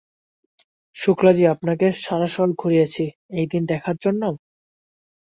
শুক্লা জী আপনাকে সারা শহর ঘুরাইছি, এই দিন দেখার জন্য?